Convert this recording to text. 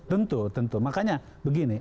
tentu tentu makanya begini